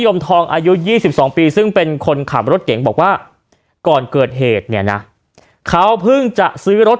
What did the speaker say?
มทองอายุ๒๒ปีซึ่งเป็นคนขับรถเก๋งบอกว่าก่อนเกิดเหตุเนี่ยนะเขาเพิ่งจะซื้อรถ